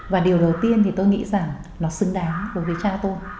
và điều đầu tiên thì tôi nghĩ rằng nó xứng đáng đối với cha tôi